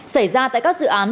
xảy ra tại các dự án